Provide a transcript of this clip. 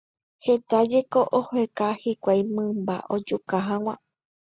Heta jeko oheka hikuái mymba ojuka hag̃ua.